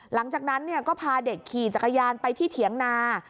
หลังจากนั้นก็พาเด็กขี่จักรยานไปที่เถียงนา